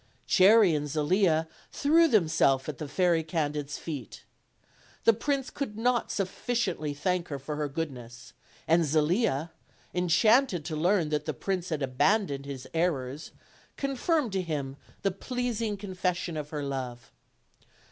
Cherry and Zelia threw themselves at the Fairy Can did's feet. The prince could not sufficiently thank her for her goodness, and Zelia, enchanted to learn that the. 332 OLD, OLD FAIRY TALES. prince had abandoned his errors, confirmed to him the pleasing confession of her love.